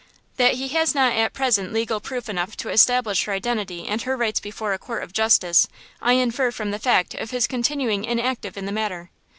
That he has not at present legal proof enough to establish her identity and her rights before a court of justice I infer from the fact of his continuing inactive in the matter.